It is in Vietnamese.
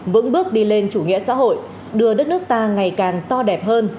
vững bước đi lên chủ nghĩa xã hội đưa đất nước ta ngày càng to đẹp hơn